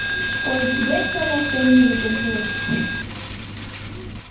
— Ой, — кидем шаралтен йывыртен пелештышым.